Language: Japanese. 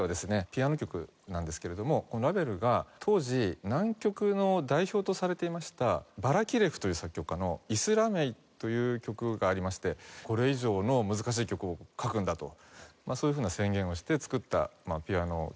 ピアノ曲なんですけれどもラヴェルが当時難曲の代表とされていましたバラキレフという作曲家の『イスラメイ』という曲がありましてこれ以上の難しい曲を書くんだとそういうふうな宣言をして作ったピアノ曲なんですね。